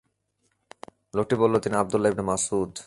লোকটি বলল, তিনি আবদুল্লাহ ইবনে মাসউদ।